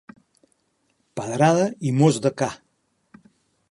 Pedrada i mos de ca.